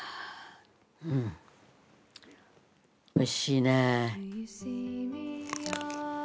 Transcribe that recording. おいしいね。